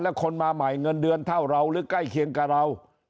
แล้วคนมาใหม่เงินเดือนเท่าเราหรือใกล้เคียงกับเรา